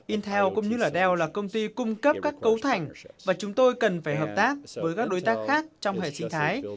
intel cũng như là doel là công ty cung cấp các cấu thành và chúng tôi cần phải hợp tác với các đối tác khác trong hệ sinh thái